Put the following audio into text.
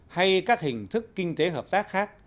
hay các hình thức kinh tế hợp tác khác